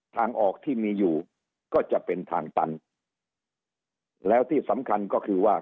ทางออกที่มีอยู่ก็จะเป็นทางตันแล้วที่สำคัญก็คือว่า